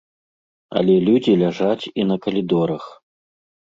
Але людзі ляжаць і на калідорах.